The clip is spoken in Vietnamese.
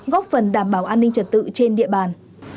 góp phần đảm bảo an ninh trật tự trên địa bàn